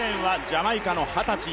８レーンはジャマイカの二十歳